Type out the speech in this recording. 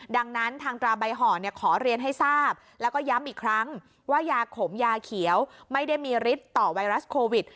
ดังนั้นทางตราใบห่อขอเรียนให้ทราบแล้วก็ย้ำอีกครั้งว่ายาขมยาเขียวไม่ได้มีฤทธิ์ต่อไวรัสโควิด